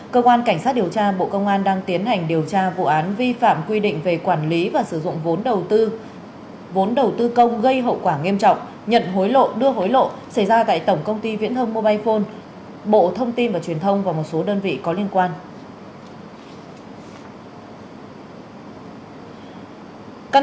cơ quan cảnh sát điều tra bộ công an đang tiến hành điều tra vụ án vi phạm quy định về quản lý và sử dụng vốn đầu tư công gây hậu quả nghiêm trọng nhận hối lộ đưa hối lộ xảy ra tại tổng công ty viễn thông mobile phone bộ thông tin và truyền thông và một số đơn vị có liên quan